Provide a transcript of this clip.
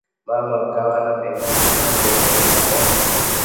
Mama akawa hana pengine pa kuenda ila kwa